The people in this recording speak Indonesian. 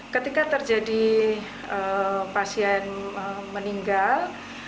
ketika terjadi pasien meninggal